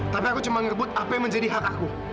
tapi aku cuma ngebut apa yang menjadi hak aku